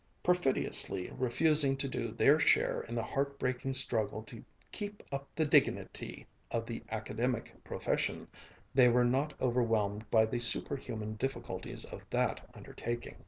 Perfidiously refusing to do their share in the heart breaking struggle to "keep up the dignity" of the academic profession, they were not overwhelmed by the super human difficulties of that undertaking.